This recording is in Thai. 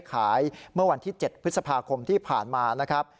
ขายเมื่อวันที่๗พฤษภาคมที่ผ่านมานะครับ